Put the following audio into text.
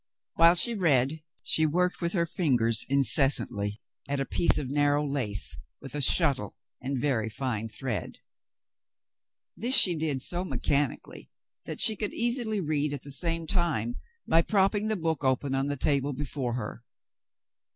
While she read she worked with her fingers, incessantly, at a piece of narrow lace, with a shuttle and very fine thread. This she did so mechanically that she could easily read at the same time by propping the book open on the table before her.